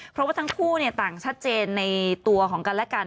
เพราะว่าทั้งคู่ต่างชัดเจนในตัวของกันและกัน